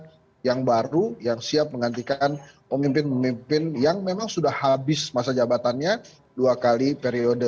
karena kita sudah ada yang baru yang siap menggantikan pemimpin pemimpin yang memang sudah habis masa jabatannya dua kali periode